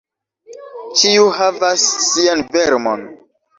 Ĉiu havas sian vermon.